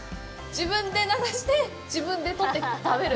自分で流して自分で取って食べる。